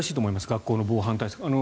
学校の防犯対策。